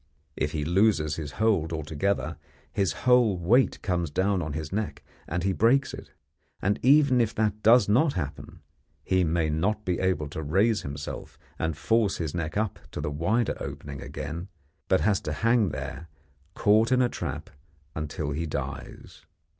If he loses his hold altogether, his whole weight comes on his neck, and he breaks it; and even if that does not happen, he may not be able to raise himself and force his neck up to the wider opening again, but has to hang there caught in a trap until he dies.